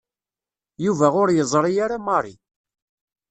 Yuba ur yeẓri ara Mary.